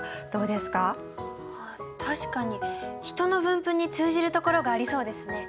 あっ確かにヒトの分布に通じるところがありそうですね。